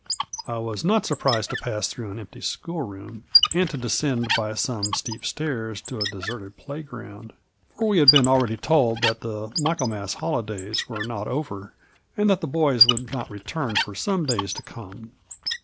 I was not surprised to pass through an empty school room, and to descend by some steep stairs to a deserted playground, for we had been already told that the Michaelmas holidays were not over, and that the boys would not return for some days to come.